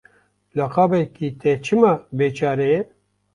Laqabekî te çima bêçare ye?